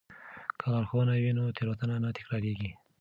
که لارښوونه وي نو تېروتنه نه تکراریږي.